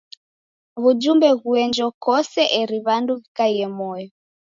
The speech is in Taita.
W'ujumbe ghuenjo kose eri w'andu w'ikaie moyo.